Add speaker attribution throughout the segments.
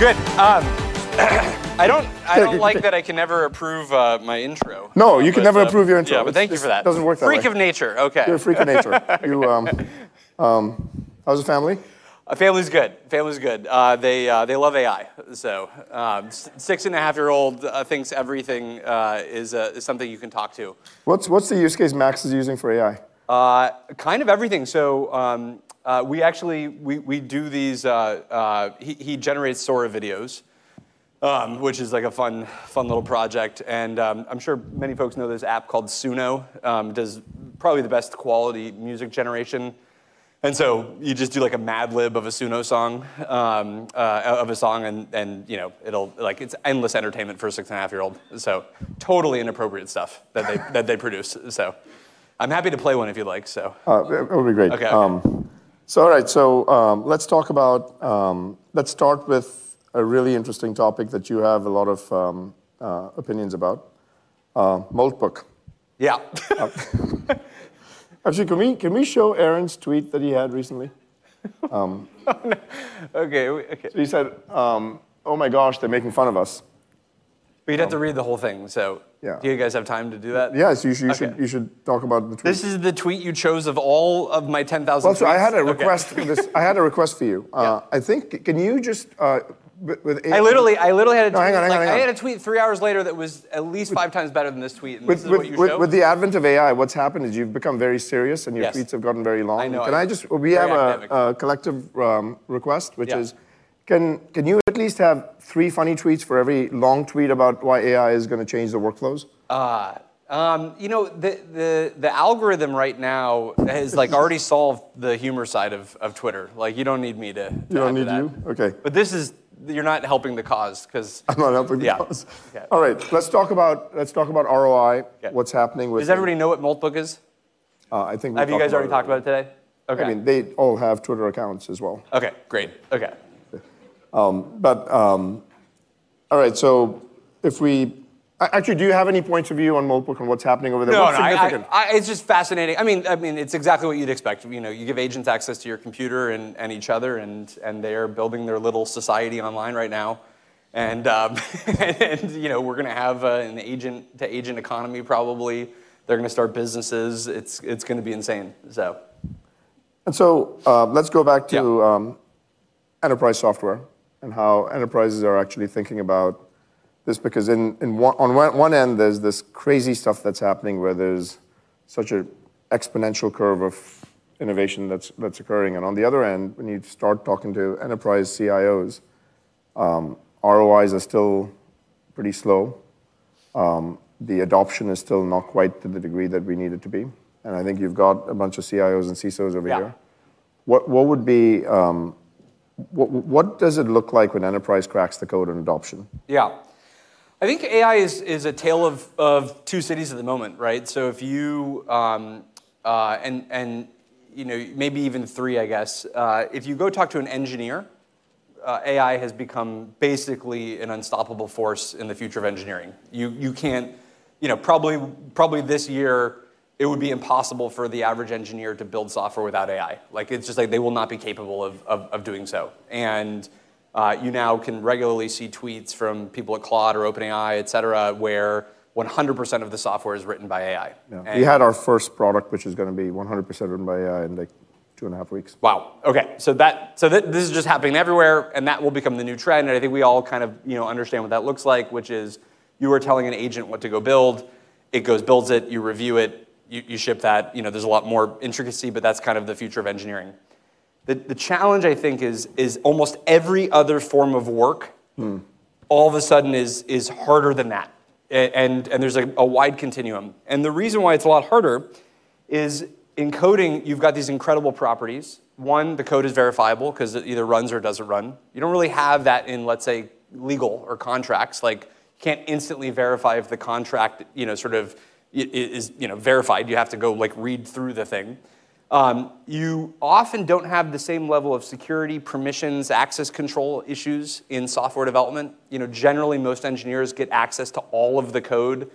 Speaker 1: Good. I don't like that I can never approve my intro.
Speaker 2: No, you can never approve your intro.
Speaker 1: Yeah, but thank you for that.
Speaker 2: It doesn't work that way.
Speaker 1: Freak of nature. Okay.
Speaker 2: You're a freak of nature. You, how's the family?
Speaker 1: Family's good. Family's good. They love AI, so 6½-year-old thinks everything is something you can talk to.
Speaker 2: What's the use case Max is using for AI?
Speaker 1: Kind of everything. So, we actually do these. He generates Sora videos, which is like a fun, fun little project, and I'm sure many folks know this app called Suno. It does probably the best quality music generation. And so you just do like a Mad Lib of a Suno song of a song, and you know, it'll like it's endless entertainment for a six-and-a-half-year-old. So totally inappropriate stuff that they produce. So I'm happy to play one if you'd like.
Speaker 2: It'll be great.
Speaker 1: Okay.
Speaker 2: So, all right, so, let's talk about. Let's start with a really interesting topic that you have a lot of opinions about, NotebookLM.
Speaker 1: Yeah.
Speaker 2: Actually, can we, can we show Aaron's tweet that he had recently?
Speaker 1: Oh, no. Okay, okay.
Speaker 2: So he said Oh, my gosh, they're making fun of us.
Speaker 1: But you'd have to read the whole thing, so-
Speaker 2: Yeah
Speaker 1: Do you guys have time to do that?
Speaker 2: Yes, you should-
Speaker 1: Okay
Speaker 2: You should talk about the tweet.
Speaker 1: This is the tweet you chose of all of my 10,000 tweets?
Speaker 2: Well, I had a request-
Speaker 1: Okay.
Speaker 2: I had a request for you.
Speaker 1: Yeah.
Speaker 2: I think, can you just, with-
Speaker 1: I literally, I literally had a tweet-
Speaker 2: Hang on, hang on, hang on.
Speaker 1: Like, I had a tweet three hours later that was at least five times better than this tweet, and this is what you show?
Speaker 2: With the advent of AI, what's happened is you've become very serious-
Speaker 1: Yes
Speaker 2: And your tweets have gotten very long.
Speaker 1: I know.
Speaker 2: Can I just-
Speaker 1: Very academic.
Speaker 2: We have a collective request-
Speaker 1: Yeah
Speaker 2: Which is, can you at least have three funny tweets for every long tweet about why AI is going to change the workflows?
Speaker 1: You know, the algorithm right now has, like, already solved the humor side of Twitter. Like, you don't need me to-
Speaker 2: I don't need you?
Speaker 1: Do that.
Speaker 2: Okay.
Speaker 1: But this is... You're not helping the cause.
Speaker 2: I'm not helping the cause?
Speaker 1: Yeah. Yeah.
Speaker 2: All right, let's talk about, let's talk about ROI.
Speaker 1: Yeah.
Speaker 2: What's happening with-
Speaker 1: Does everybody know what NotebookLM is?
Speaker 2: I think we've talked about it.
Speaker 1: Have you guys already talked about it today? Okay.
Speaker 2: I mean, they all have Twitter accounts as well.
Speaker 1: Okay, great. Okay.
Speaker 2: All right, actually, do you have any points of view on NotebookLM and what's happening over there?
Speaker 1: No-
Speaker 2: It's significant
Speaker 1: It's just fascinating. I mean, it's exactly what you'd expect. You know, you give agents access to your computer and each other, and they are building their little society online right now. And, you know, we're gonna have an agent-to-agent economy probably. They're gonna start businesses. It's gonna be insane, so.
Speaker 2: So, let's go back to—
Speaker 1: Yeah
Speaker 2: Enterprise software and how enterprises are actually thinking about this because on one end, there's this crazy stuff that's happening where there's such an exponential curve of innovation that's occurring, and on the other end, when you start talking to enterprise CIOs, ROIs are still pretty slow. The adoption is still not quite to the degree that we need it to be, and I think you've got a bunch of CIOs and CSOs over here.
Speaker 1: Yeah.
Speaker 2: What does it look like when enterprise cracks the code on adoption?
Speaker 1: Yeah. I think AI is a tale of two cities at the moment, right? You know, maybe even three, I guess. If you go talk to an engineer, AI has become basically an unstoppable force in the future of engineering. You can't—you know, probably this year, it would be impossible for the average engineer to build software without AI. Like, it's just like they will not be capable of doing so. And you now can regularly see tweets from people at Claude or OpenAI, et cetera, where 100% of the software is written by AI.
Speaker 2: Yeah.
Speaker 1: And-
Speaker 2: We had our first product, which is gonna be 100% run by AI in, like, 2.5 weeks.
Speaker 1: Wow, okay! So this is just happening everywhere, and that will become the new trend, and I think we all kind of, you know, understand what that looks like, which is you are telling an agent what to go build. It goes builds it, you review it, you ship that. You know, there's a lot more intricacy, but that's kind of the future of engineering. The challenge, I think, is almost every other form of work-
Speaker 2: Mm
Speaker 1: All of a sudden is harder than that. And there's, like, a wide continuum. And the reason why it's a lot harder is in coding, you've got these incredible properties. One, the code is verifiable because it either runs or doesn't run. You don't really have that in, let's say, legal or contracts. Like, you can't instantly verify if the contract, you know, sort of is, you know, verified. You have to go, like, read through the thing. You often don't have the same level of security, permissions, access control issues in software development. You know, generally, most engineers get access to all of the code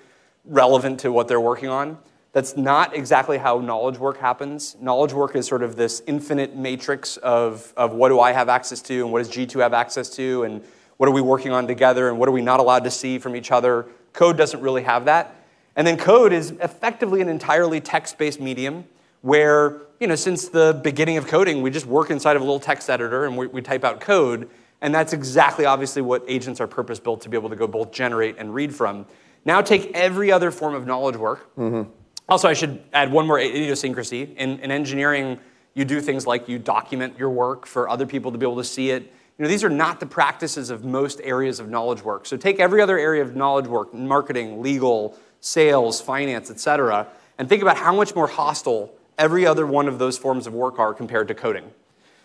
Speaker 1: relevant to what they're working on. That's not exactly how knowledge work happens. Knowledge work is sort of this infinite matrix of what do I have access to, and what does G2 have access to, and what are we working on together, and what are we not allowed to see from each other? Code doesn't really have that. And then code is effectively an entirely text-based medium, where, you know, since the beginning of coding, we just work inside of a little text editor, and we type out code, and that's exactly obviously what agents are purpose-built to be able to go both generate and read from. Now, take every other form of knowledge work.
Speaker 2: Mm-hmm.
Speaker 1: Also, I should add one more idiosyncrasy. In engineering, you do things like you document your work for other people to be able to see it. You know, these are not the practices of most areas of knowledge work. So take every other area of knowledge work, marketing, legal, sales, finance, et cetera, and think about how much more hostile every other one of those forms of work are compared to coding.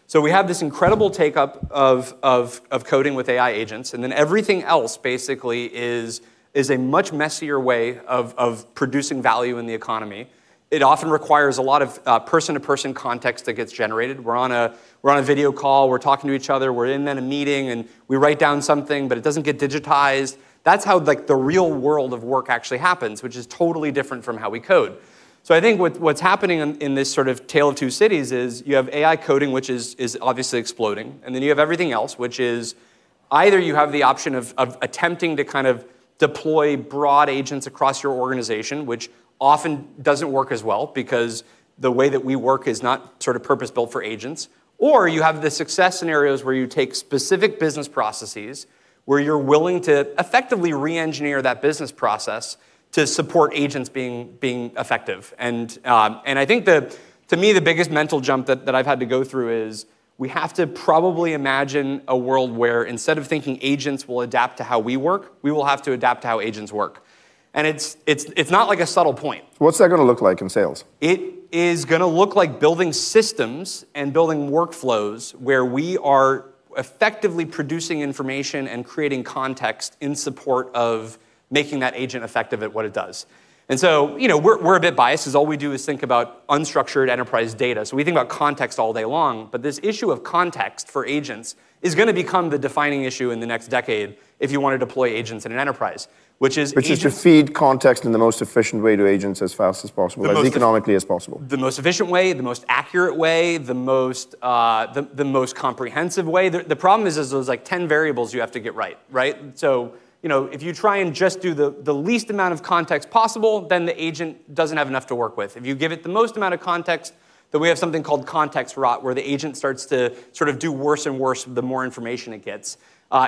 Speaker 1: So we have this incredible take-up of coding with AI agents, and then everything else basically is a much messier way of producing value in the economy. It often requires a lot of person-to-person context that gets generated. We're on a video call, we're talking to each other, we're in a meeting, and we write down something, but it doesn't get digitized. That's how, like, the real world of work actually happens, which is totally different from how we code. So I think what's happening in this sort of tale of two cities is you have AI coding, which is obviously exploding, and then you have everything else, which is either you have the option of attempting to kind of deploy broad agents across your organization, which often doesn't work as well, because the way that we work is not sort of purpose-built for agents. Or you have the success scenarios where you take specific business processes, where you're willing to effectively re-engineer that business process to support agents being effective. And I think to me, the biggest mental jump that I've had to go through is, we have to probably imagine a world where instead of thinking agents will adapt to how we work, we will have to adapt to how agents work. And it's not like a subtle point.
Speaker 2: What's that gonna look like in sales?
Speaker 1: It is going look like building systems and building workflows where we are effectively producing information and creating context in support of making that agent effective at what it does. And so, you know, we're, we're a bit biased, because all we do is think about unstructured enterprise data, so we think about context all day long. But this issue of context for agents is gonna become the defining issue in the next decade if you want to deploy agents in an enterprise, which is agents-
Speaker 2: Which is to feed context in the most efficient way to agents as fast as possible-
Speaker 1: The most-
Speaker 2: As economically as possible.
Speaker 1: The most efficient way, the most accurate way, the most comprehensive way. The problem is, there's, like, 10 variables you have to get right, right? So, you know, if you try and just do the least amount of context possible, then the agent doesn't have enough to work with. If you give it the most amount of context, then we have something called context rot, where the agent starts to sort of do worse and worse the more information it gets.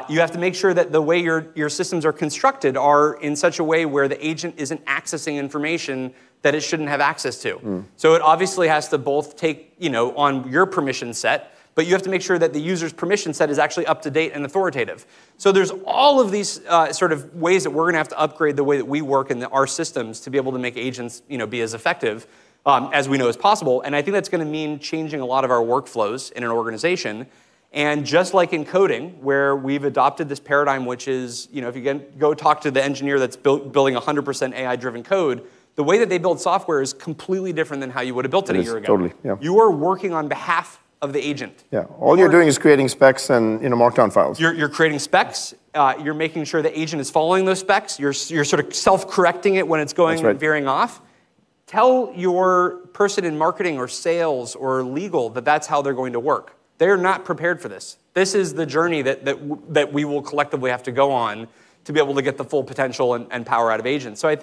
Speaker 1: You have to make sure that the way your systems are constructed are in such a way where the agent isn't accessing information that it shouldn't have access to.
Speaker 2: Mm.
Speaker 1: So it obviously has to both take, you know, on your permission set, but you have to make sure that the user's permission set is actually up-to-date and authoritative. So there's all of these sort of ways that we're gonna have to upgrade the way that we work in our systems to be able to make agents, you know, be as effective as we know is possible, and I think that's gonna mean changing a lot of our workflows in an organization. And just like in coding, where we've adopted this paradigm, which is, you know, if you go talk to the engineer that's building 100% AI-driven code, the way that they build software is completely different than how you would've built it a year ago.
Speaker 2: It is. Totally. Yeah.
Speaker 1: You are working on behalf of the agent.
Speaker 2: Yeah.
Speaker 1: You are-
Speaker 2: All you're doing is creating specs and, in the Markdown files.
Speaker 1: You're creating specs, you're making sure the agent is following those specs. You're sort of self-correcting it when it's going-
Speaker 2: That's right
Speaker 1: And veering off. Tell your person in marketing or sales or legal that that's how they're going to work. They're not prepared for this. This is the journey that we will collectively have to go on to be able to get the full potential and power out of agents. So I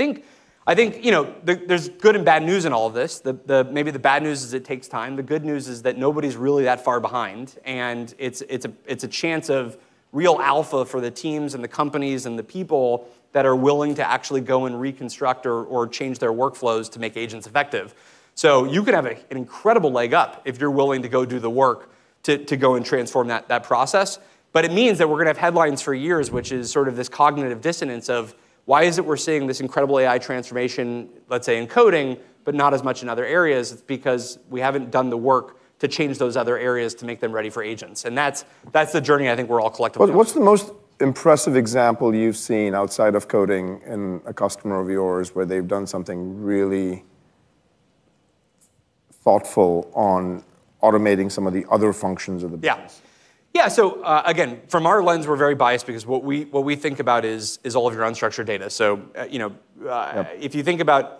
Speaker 1: think, I think, you know, there's good and bad news in all of this. The maybe the bad news is it takes time. The good news is that nobody's really that far behind, and it's a chance of real alpha for the teams and the companies and the people that are willing to actually go and reconstruct or change their workflows to make agents effective. So you could have an incredible leg up if you're willing to go do the work to go and transform that process. But it means that we're gonna have headlines for years, which is sort of this cognitive dissonance of: Why is it we're seeing this incredible AI transformation, let's say, in coding, but not as much in other areas? It's because we haven't done the work to change those other areas to make them ready for agents. And that's the journey I think we're all collectively on.
Speaker 2: What's the most impressive example you've seen outside of coding in a customer of yours, where they've done something really thoughtful on automating some of the other functions of the business?
Speaker 1: Yeah. Yeah, so, again, from our lens, we're very biased because what we think about is all of your unstructured data. So, you know,
Speaker 2: Yeah
Speaker 1: If you think about,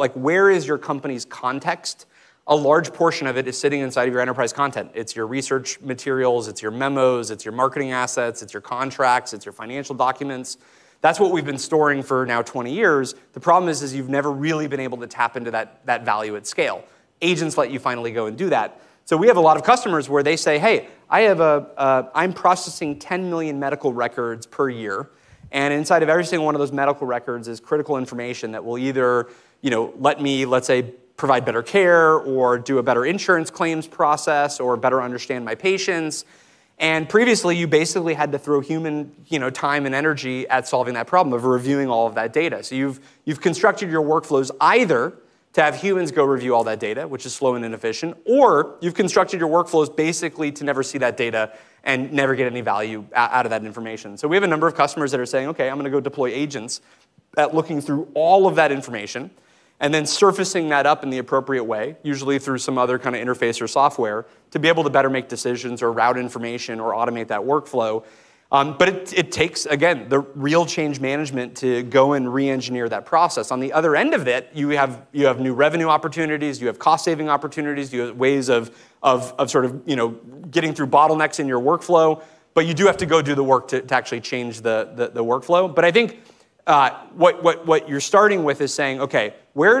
Speaker 1: like, where is your company's context, a large portion of it is sitting inside of your enterprise content. It's your research materials, it's your memos, it's your marketing assets, it's your contracts, it's your financial documents. That's what we've been storing for now 20 years. The problem is, you've never really been able to tap into that value at scale. Agents let you finally go and do that. So we have a lot of customers where they say, "Hey, I have a, I'm processing 10 million medical records per year, and inside of every single one of those medical records is critical information that will either, you know, let me, let's say, provide better care, or do a better insurance claims process, or better understand my patients." And previously, you basically had to throw human, you know, time and energy at solving that problem of reviewing all of that data. So you've constructed your workflows either to have humans go review all that data, which is slow and inefficient, or you've constructed your workflows basically to never see that data and never get any value out of that information. So we have a number of customers that are saying, "Okay, I'm gonna go deploy agents," looking through all of that information and then surfacing that up in the appropriate way, usually through some other kind of interface or software, to be able to better make decisions or route information or automate that workflow. But it takes, again, the real change management to go and re-engineer that process. On the other end of it, you have new revenue opportunities, you have cost-saving opportunities, you have ways of sort of, you know, getting through bottlenecks in your workflow, but you do have to go do the work to actually change the workflow. But I think, what you're starting with is saying, "Okay, where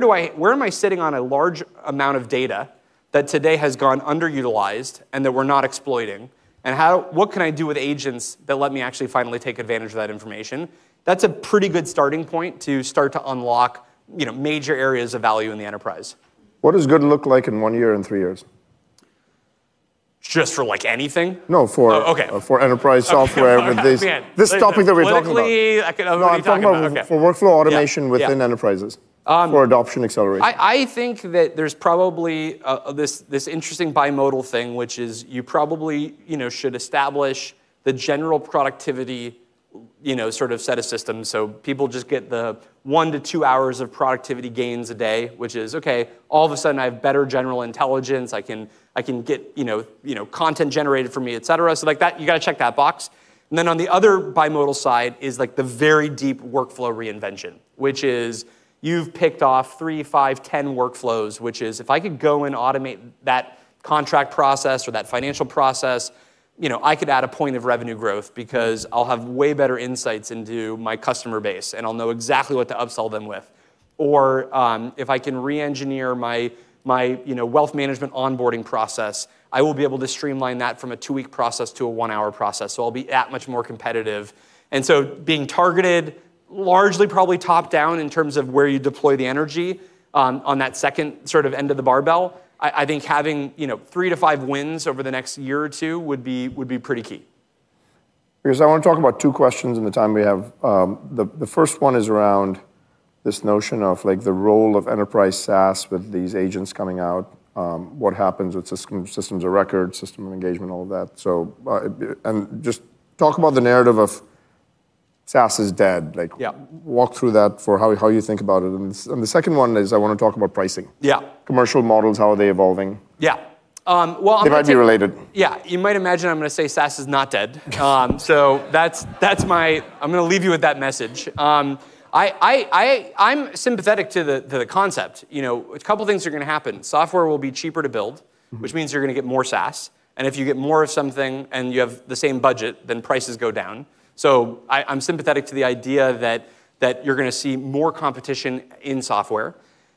Speaker 1: am I sitting on a large amount of data, that today has gone underutilized and that we're not exploiting? And how... What can I do with agents that let me actually finally take advantage of that information?" That's a pretty good starting point to start to unlock, you know, major areas of value in the enterprise.
Speaker 2: What does good look like in one year and three years?
Speaker 1: Just for, like, anything?
Speaker 2: No, for-
Speaker 1: Oh, okay...
Speaker 2: for enterprise software-
Speaker 1: Okay.
Speaker 2: with this, this topic that we're talking about.
Speaker 1: Politically, I can... What are you talking about? Okay.
Speaker 2: No, I'm talking about for workflow automation-
Speaker 1: Yeah, yeah
Speaker 2: Within enterprises.
Speaker 1: Um-
Speaker 2: For adoption acceleration.
Speaker 1: I think that there's probably this interesting bimodal thing, which is, you probably you know should establish the general productivity, you know, sort of set of systems, so people just get the one to two hours of productivity gains a day, which is, okay, all of a sudden, I have better general intelligence. I can get, you know, content generated for me, et cetera. So like that, you've got to check that box. And then on the other bimodal side is, like, the very deep workflow reinvention, which is, you've picked off three, five, 10 workflows, which is, if I could go and automate that contract process or that financial process, you know, I could add a point of revenue growth because I'll have way better insights into my customer base, and I'll know exactly what to upsell them with. Or, if I can re-engineer my you know, wealth management onboarding process, I will be able to streamline that from a two-week process to a one-hour process, so I'll be that much more competitive. And so being targeted largely probably top down in terms of where you deploy the energy, on that second sort of end of the barbell, I think having you know, three to five wins over the next year or two would be pretty key. Because I wanna talk about two questions in the time we have. The first one is around this notion of, like, the role of enterprise SaaS with these agents coming out. What happens with systems of record, system of engagement, all of that? And just talk about the narrative of SaaS is dead. Like- Yeah...
Speaker 2: walk through that for how you think about it. And the second one is, I wanna talk about pricing.
Speaker 1: Yeah.
Speaker 2: Commercial models, how are they evolving?
Speaker 1: Yeah. Well, I think-
Speaker 2: They might be related.
Speaker 1: Yeah. You might imagine I'm gonna say SaaS is not dead. So that's my message. I'm gonna leave you with that. I'm sympathetic to the concept. You know, a couple things are gonna happen. Software will be cheaper to build-
Speaker 2: Mm-hmm...
Speaker 1: which means you're gonna get more SaaS, and if you get more of something and you have the same budget, then prices go down. So I'm sympathetic to the idea that you're gonna see more competition in software.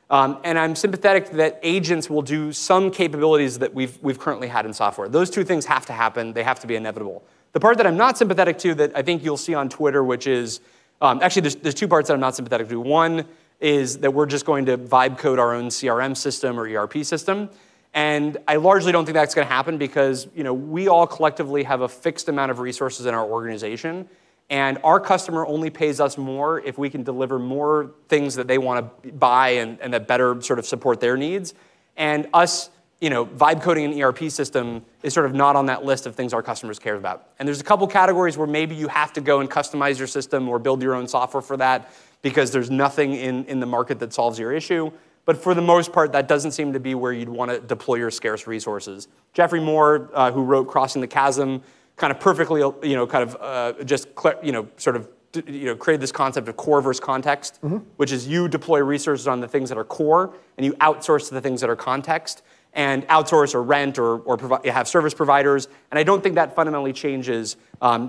Speaker 1: And I'm sympathetic that agents will do some capabilities that we've currently had in software. Those two things have to happen. They have to be inevitable. The part that I'm not sympathetic to, that I think you'll see on Twitter, which is... Actually, there's two parts that I'm not sympathetic to. One is that we're just going to vibe code our own CRM system or ERP system, and I largely don't think that's gonna happen because, you know, we all collectively have a fixed amount of resources in our organization, and our customer only pays us more if we can deliver more things that they wanna buy and that better sort of support their needs. And us, you know, vibe coding an ERP system is sort of not on that list of things our customers care about. And there's a couple categories where maybe you have to go and customize your system or build your own software for that, because there's nothing in the market that solves your issue. But for the most part, that doesn't seem to be where you'd wanna deploy your scarce resources. Geoffrey Moore, who wrote Crossing the Chasm, kind of perfectly, you know, kind of, just, you know, sort of, you know, created this concept of core versus context.
Speaker 2: Mm-hmm.
Speaker 1: Which is, you deploy resources on the things that are core, and you outsource the things that are context, and outsource, or rent, or you have service providers, and I don't think that fundamentally changes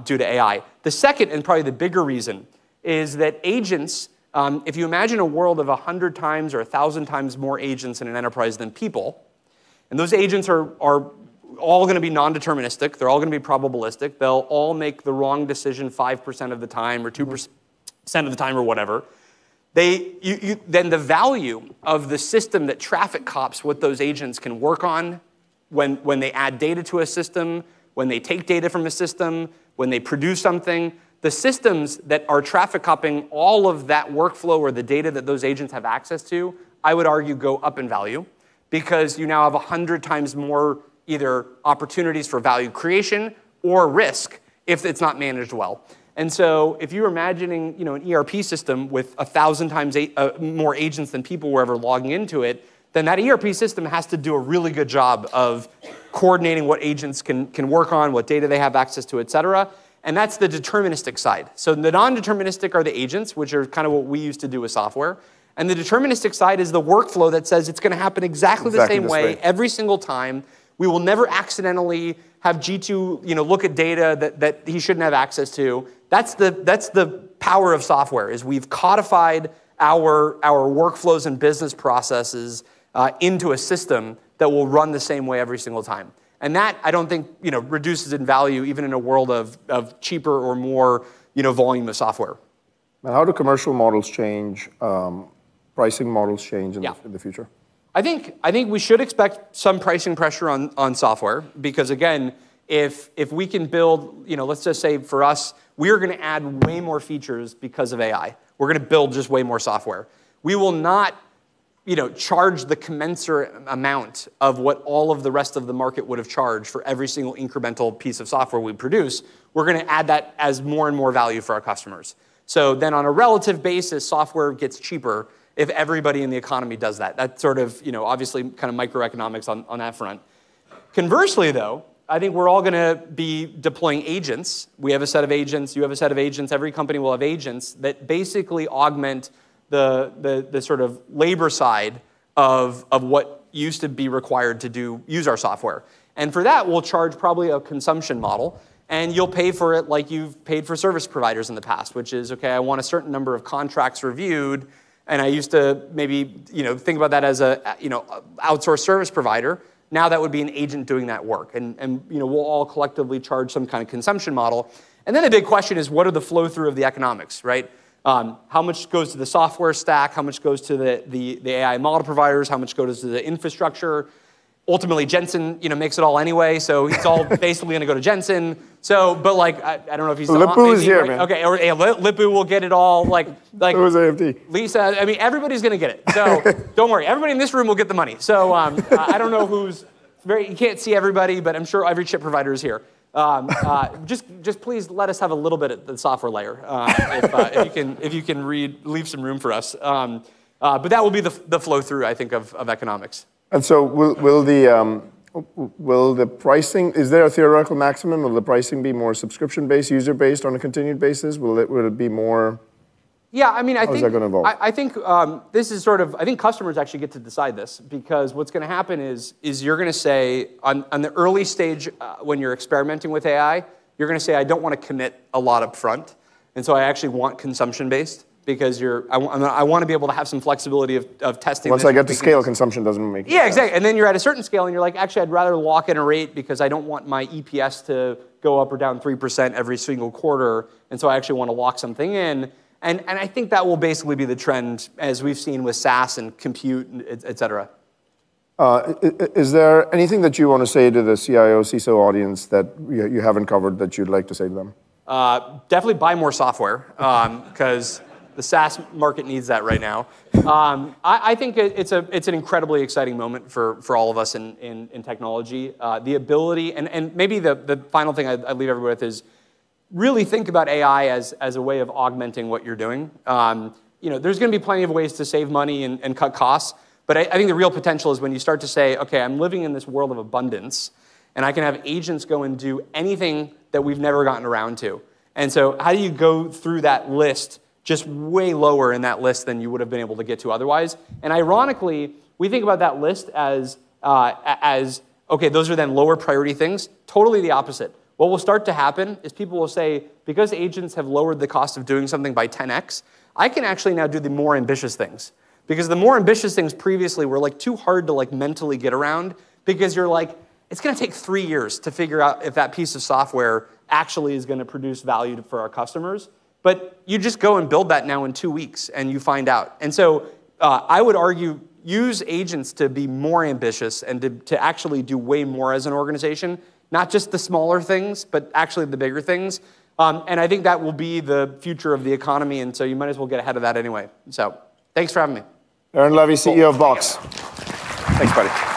Speaker 1: due to AI. The second, and probably the bigger reason, is that agents, if you imagine a world of 100 times or 1,000 times more agents in an enterprise than people, and those agents are all gonna be non-deterministic, they're all gonna be probabilistic, they'll all make the wrong decision 5% of the time, or 2% of the time, or whatever, then the value of the system that traffic cops what those agents can work on, when they add data to a system, when they take data from a system, when they produce something, the systems that are traffic copping all of that workflow or the data that those agents have access to, I would argue, go up in value. Because you now have 100x more either opportunities for value creation or risk, if it's not managed well. And so if you're imagining, you know, an ERP system with 1,000 times more agents than people were ever logging into it, then that ERP system has to do a really good job of coordinating what agents can work on, what data they have access to, et cetera, and that's the deterministic side. So the non-deterministic are the agents, which are kind of what we used to do with software, and the deterministic side is the workflow that says it's gonna happen exactly the same way-
Speaker 2: Exactly the same.
Speaker 1: Every single time. We will never accidentally have G2, you know, look at data that he shouldn't have access to. That's the power of software, is we've codified our workflows and business processes into a system that will run the same way every single time. And that, I don't think, you know, reduces in value, even in a world of cheaper or more, you know, volume of software.
Speaker 2: How do commercial models change, pricing models change-
Speaker 1: Yeah
Speaker 2: In the future?
Speaker 1: I think we should expect some pricing pressure on software, because, again, if we can build... You know, let's just say for us, we're gonna add way more features because of AI. We're gonna build just way more software. We will not, you know, charge the commensurate amount of what all of the rest of the market would have charged for every single incremental piece of software we produce. We're gonna add that as more and more value for our customers. So then, on a relative basis, software gets cheaper if everybody in the economy does that. That's sort of, you know, obviously, kind of microeconomics on that front. Conversely, though, I think we're all gonna be deploying agents. We have a set of agents, you have a set of agents, every company will have agents that basically augment the sort of labor side of what used to be required to use our software. And for that, we'll charge probably a consumption model, and you'll pay for it like you've paid for service providers in the past, which is, "Okay, I want a certain number of contracts reviewed," and I used to maybe, you know, think about that as a you know outsource service provider. Now, that would be an agent doing that work. And you know, we'll all collectively charge some kind of consumption model. And then the big question is: What are the flow through of the economics, right? How much goes to the software stack? How much goes to the AI model providers? How much goes to the infrastructure? Ultimately, Jensen, you know, makes it all anyway... so it's all basically gonna go to Jensen. So, but, like, I, I don't know if he's-
Speaker 2: Lisa is here, man.
Speaker 1: Okay, yeah, Lisa will get it all, like.
Speaker 2: It was AMD.
Speaker 1: Lisa. I mean, everybody's gonna get it. So don't worry, everybody in this room will get the money. So, I don't know who's... you can't see everybody, but I'm sure every chip provider is here. Just, just please let us have a little bit at the software layer, if you can, if you can leave some room for us. But that will be the, the flow through, I think, of economics.
Speaker 2: And so will the pricing... Is there a theoretical maximum? Will the pricing be more subscription-based, user-based on a continued basis? Will it be more-
Speaker 1: Yeah, I mean, I think-
Speaker 2: How is that going to evolve?
Speaker 1: I think this is sort of, I think customers actually get to decide this, because what's gonna happen is you're gonna say, on the early stage, when you're experimenting with AI, you're gonna say, "I don't wanna commit a lot upfront, and so I actually want consumption-based," because and I wanna be able to have some flexibility of testing this-
Speaker 2: Once I get to scale, consumption doesn't make sense.
Speaker 1: Yeah, exactly, and then you're at a certain scale, and you're like, "Actually, I'd rather lock in a rate, because I don't want my EPS to go up or down 3% every single quarter, and so I actually wanna lock something in." And I think that will basically be the trend, as we've seen with SaaS, and compute, and et cetera.
Speaker 2: Is there anything that you wanna say to the CIO, CISO audience that you, you haven't covered, that you'd like to say to them?
Speaker 1: Definitely buy more software, 'cause the SaaS market needs that right now. I think it's an incredibly exciting moment for all of us in technology. The ability... And maybe the final thing I'd leave everyone with is, really think about AI as a way of augmenting what you're doing. You know, there's gonna be plenty of ways to save money and cut costs, but I think the real potential is when you start to say, "Okay, I'm living in this world of abundance, and I can have agents go and do anything that we've never gotten around to." And so how do you go through that list, just way lower in that list than you would've been able to get to otherwise? And ironically, we think about that list as, okay, those are then lower priority things. Totally the opposite. What will start to happen is people will say, "Because agents have lowered the cost of doing something by 10X, I can actually now do the more ambitious things." Because the more ambitious things previously were, like, too hard to, like, mentally get around, because you're like, "It's gonna take three years to figure out if that piece of software actually is gonna produce value for our customers." But you just go and build that now in two weeks, and you find out. And so, I would argue, use agents to be more ambitious, and to actually do way more as an organization, not just the smaller things, but actually the bigger things. I think that will be the future of the economy, and so you might as well get ahead of that anyway. So thanks for having me.
Speaker 2: Aaron Levie, CEO of Box.
Speaker 1: Thanks, buddy.